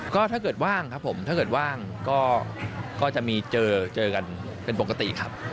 ก็ถ้าเกิดว่างครับผมถ้าเกิดว่างก็จะมีเจอกันเป็นปกติครับ